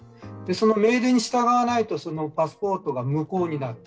その命令に従わないとパスポートが無効になる。